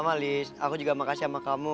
sama sama liz aku juga makasih sama kamu